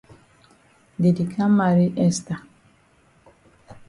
Dey di kam maret Esther.